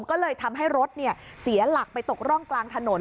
ก็เลยทำให้รถเสียหลักไปตกร่องกลางถนน